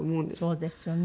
そうですよね。